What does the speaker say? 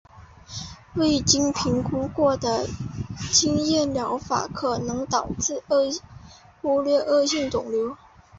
未经评估过的经验疗法可能导致忽略恶性肿瘤。